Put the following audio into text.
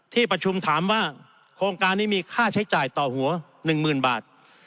ที่ประชุมถามว่าโครงการนี้มีค่าใช้จ่ายต่อหัว๑๐๐๐บาท